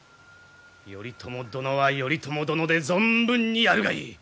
頼朝殿は頼朝殿で存分にやるがいい。